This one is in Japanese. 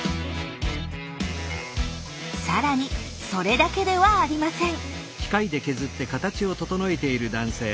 更にそれだけではありません。